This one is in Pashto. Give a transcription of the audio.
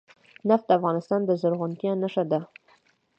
نفت د افغانستان د زرغونتیا نښه ده.